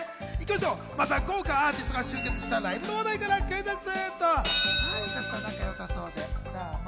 まずは豪華アーティストが集結したライブの話題からクイズッス！